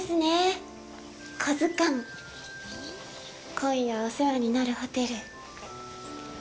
今夜、お世話になるホテル。